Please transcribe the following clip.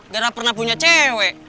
gak pernah punya cewek